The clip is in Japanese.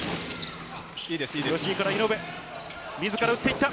吉井から井上、自ら打っていった。